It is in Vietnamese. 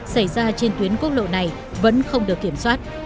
xảy ra trên tuyến quốc lộ này vẫn không được kiểm soát